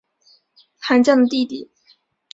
韩绛的弟弟。